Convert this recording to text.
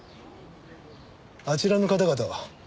あちらの方々は？